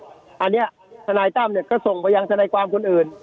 อันนี้ทนายตั้มก็ส่งไปยังทนายความคนอื่น